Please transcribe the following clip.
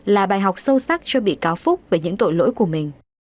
là bài học sâu sắc cho bị cáo phúc về những tội lỗi của mình